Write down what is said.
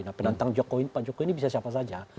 nah penantang pak jokowi ini bisa siapa saja